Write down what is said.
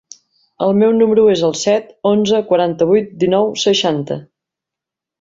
El meu número es el set, onze, quaranta-vuit, dinou, seixanta.